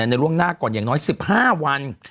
ล่วงหน้าก่อนอย่างน้อย๑๕วัน